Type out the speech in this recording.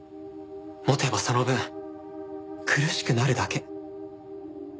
持てばその分苦しくなるだけ。